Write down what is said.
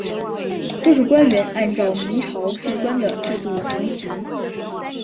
所属官员按照明朝土官的制度承袭。